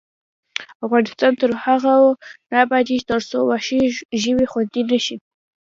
افغانستان تر هغو نه ابادیږي، ترڅو وحشي ژوي خوندي نشي.